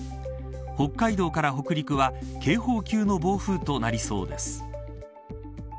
北海道から北陸は警報級の暴風となりそうです。